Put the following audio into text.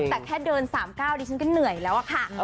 แต่แค่เดิน๓๙ดิฉันก็เหนื่อยแล้วอะค่ะ